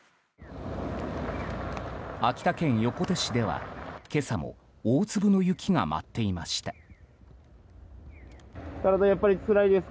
秋田県横手市では今朝も大粒の雪が舞っていました。